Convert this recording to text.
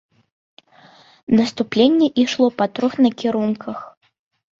Наступленне ішло па трох накірунках.